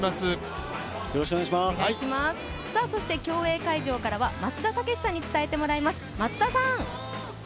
そして競泳会場からは松田丈志さんに伝えてもらいます、松田さん！